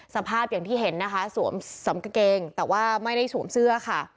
สภาพอย่างที่เห็นนะคะสวมกางเกงแต่ว่าไม่ได้สวมเสื้อค่ะ